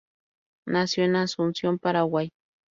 Nació en Asunción, Paraguay.